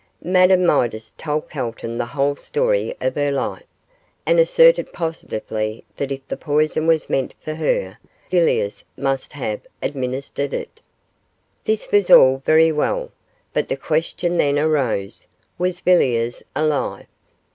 Madame Midas told Calton the whole story of her life, and asserted positively that if the poison was meant for her, Villiers must have administered it. This was all very well, but the question then arose, was Villiers alive?